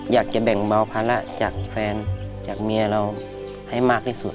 อยากจะแบ่งเบาภาระจากแฟนจากเมียเราให้มากที่สุด